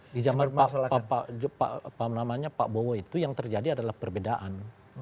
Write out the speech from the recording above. di zaman pak bowo itu yang terjadi adalah perbedaan